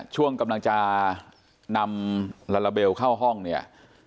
ช่วงกำลังจะนำลาลาเบลเข้าห้องเนี่ย